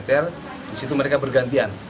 di situ mereka bergantian